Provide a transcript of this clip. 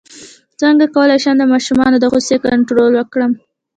څنګه کولی شم د ماشومانو د غوسې کنټرول وکړم